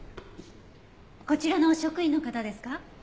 こちらの職員の方ですか？